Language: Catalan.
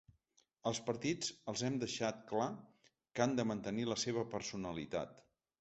Als partits els hem deixat clar que han de mantenir la seva personalitat.